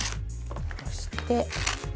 そして。